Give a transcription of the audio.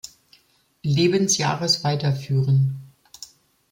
Lebensjahres weiterführen.